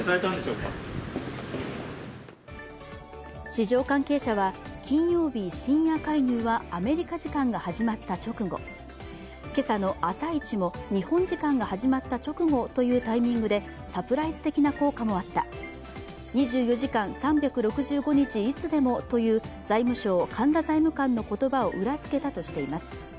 市場関係者は、金曜日深夜介入はアメリカ時間が始まった直後今朝の朝イチも日本時間が始まった直後というタイミングでサプライズ的な効果もあった２４時間３６５日いつでもという財務省・神田財務官の言葉を裏付けたとしています。